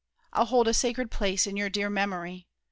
I'll hold a sacred place In your dear memory.